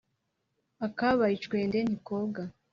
Akabaye icwende ntikoga